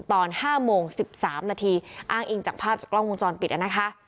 ตอนห้าโมงสิบสามนาทีอ้างอิงจากภาพจากกล้องมุมจรปิดแล้วนะคะ